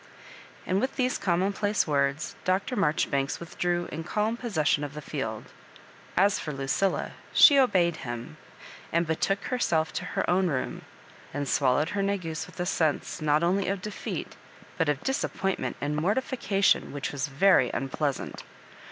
And with these commonplace words, Dr. Mar jbribanks withdrew in calm possession of the field. As for Lucilla, she obeyed him, and be took herself to her own room, and swallowed her negus with a sense, not only of defeat, but of disappointment and mortification which was very unpleasant.